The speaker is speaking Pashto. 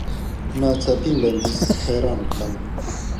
نا څاپي وړاندیز حیران کړم .